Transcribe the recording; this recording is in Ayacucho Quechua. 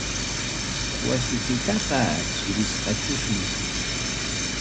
Wasikitaqa chirisqachusmi.